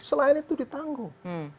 selain itu ditanggung